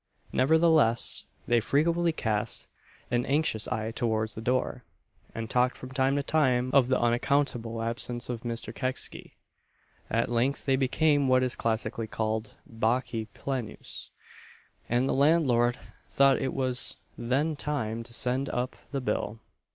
Nevertheless, they frequently cast an anxious eye towards the door, and talked from time to time of the unaccountable absence of "Mr. Kecksy." At length they became what is classically called "Bacchi plenus," and the landlord thought it was then time to send up the bill.